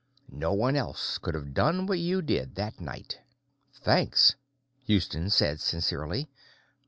No one else could have done what you did that night." "Thanks," Houston said sincerely.